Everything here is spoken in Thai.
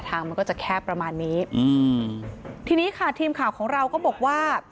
มันก็จะแคบประมาณนี้อืมทีนี้ค่ะทีมข่าวของเราก็บอกว่า